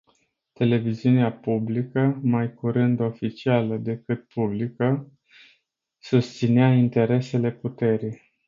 Televiziunea publică mai curând oficială decât publică, susținea interesele puterii.